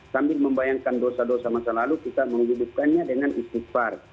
sambil membayangkan dosa dosa masa lalu kita menghidupkannya dengan istighfar